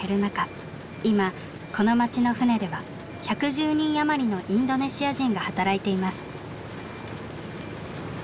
今この町の船では１１０人余りのインドネシア人が働いています。